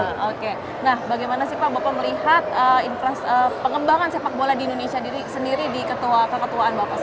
nah bagaimana pak bapak melihat pengembangan sepak bola di indonesia sendiri di ketua ketuaan bapak